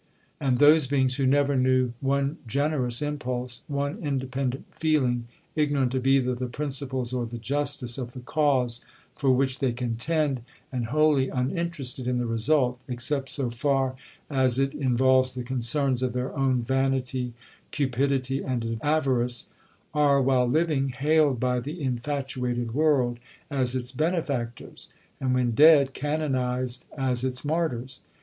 And those beings who never knew one generous impulse, one independent feeling, ignorant of either the principles or the justice of the cause for which they contend, and wholly uninterested in the result, except so far as it involves the concerns of their own vanity, cupidity, and avarice, are, while living, hailed by the infatuated world as its benefactors, and when dead, canonized as its martyrs.